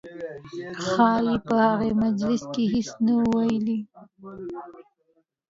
ښایي په هغه مجلس کې هېڅ نه وي ویلي.